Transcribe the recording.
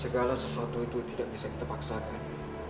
segala sesuatu itu tidak bisa kita paksakan